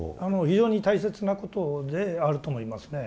非常に大切なことであると思いますね。